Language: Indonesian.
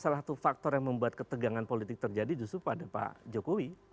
salah satu faktor yang membuat ketegangan politik terjadi justru pada pak jokowi